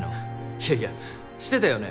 いやいやしてたよね